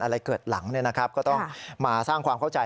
อะไรเกิดหลังก็ต้องมาสร้างความเข้าใจ